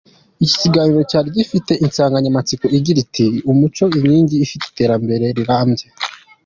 Iki kiganiro cyari gifite insanganyamatsiko igira iti “ Umuco inkingi y’iterambere rirambye.